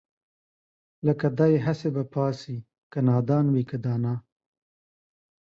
لکه دئ هسې به پاڅي که نادان وي که دانا